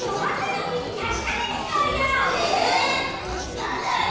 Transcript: やだよ！